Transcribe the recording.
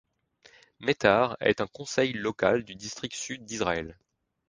Meitar est un conseil local du district sud d'Israël.